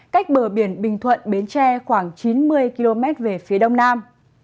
cách bờ biển bình thuận bến tre khoảng chín mươi km về phía đông nam